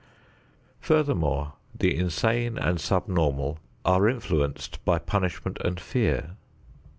Furthermore, the insane and subnormal are influenced by punishment and fear.